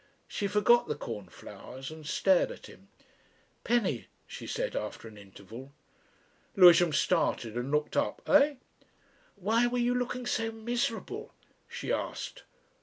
She forgot the cornflowers and stared at him. "Penny," she said after an interval. Lewisham started and looked up. "Eh?" "Why were you looking so miserable?" she asked.